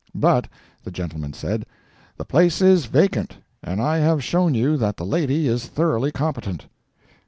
"But," the gentleman said, "the place is vacant, and I have shown you that the lady is thoroughly competent."